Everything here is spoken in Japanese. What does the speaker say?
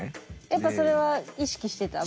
やっぱそれは意識してた？